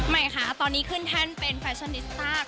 ใหม่ค่ะตอนนี้ขึ้นแท่นเป็นแฟชั่นนิสต้า